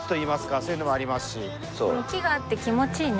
木があって気持ちいいね。